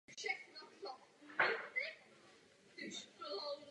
Narodil se ve městě Haifa v Izraeli během trvání Britského mandátu.